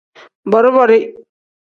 Bori-bori.